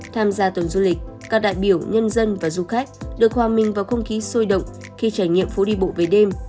tham gia tuần du lịch các đại biểu nhân dân và du khách được hòa mình vào không khí sôi động khi trải nghiệm phố đi bộ về đêm